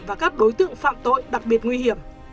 và các đối tượng phạm tội đặc biệt nguy hiểm